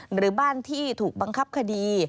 หรือบ้านที่ถูกบังคับคดี